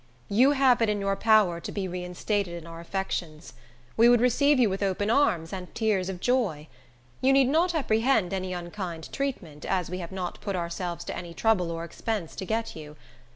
You have it in your power to be reinstated in our affections. We would receive you with open arms and tears of joy. You need not apprehend any unkind treatment, as we have not put ourselves to any trouble or expense to get you.